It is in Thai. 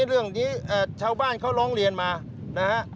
เรื่องนี้ชาวบ้านเขาร้องเรียนมานะฮะ